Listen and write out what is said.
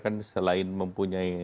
kan selain mempunyai